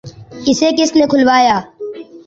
‘ اسے کس نے کھلوایا؟